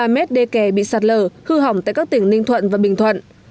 hai sáu trăm sáu mươi ba m đê kè bị sạt lở hư hỏng tại các tỉnh ninh thuận và bình thuận